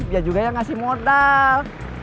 dia juga yang ngasih modal